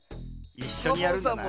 いっしょにやるんだな。